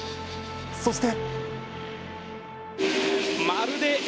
そして。